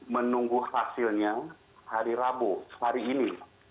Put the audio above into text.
menunggu hasilnya hari rabu hari ini